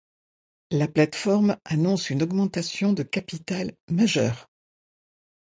La plateforme annonce une augmentation de capital majeure.